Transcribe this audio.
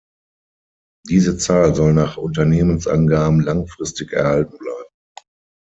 Diese Zahl soll nach Unternehmensangaben langfristig erhalten bleiben.